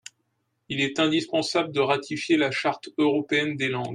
Il est indispensable de ratifier la Charte européenne des langues.